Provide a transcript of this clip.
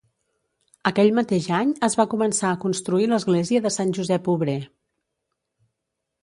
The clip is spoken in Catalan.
Aquell mateix any es va començar a construir l'església de Sant Josep Obrer.